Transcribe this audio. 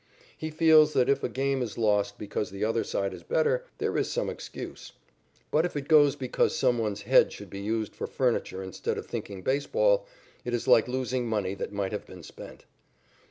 He feels that if a game is lost because the other side is better, there is some excuse, but if it goes because some one's head should be used for furniture instead of thinking baseball, it is like losing money that might have been spent.